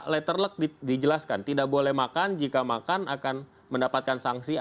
yang warungnya pun juga akan kita beri sanksi